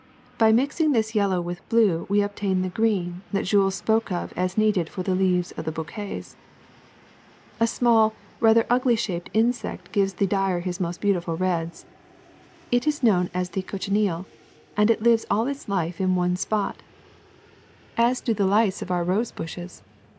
By mixing this yellow with blue we obtain the green that Jules spoke of as needed for the leaves of the bouquets. ''A small, rather ugly shaped insect gives the dyer his most beautiful reds. It is known as the cochi neal, and it lives all its life in one spot, as do the lice Woadwaxen or Dyers' Greenweed DYESTUFFS 75 of our rose bushes.